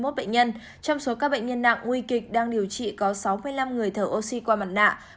trong số các bệnh nhân nặng nguy kịch đang điều trị có sáu mươi năm người thở oxy qua mặt nạ